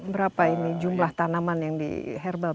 berapa ini jumlah tanaman yang di herbal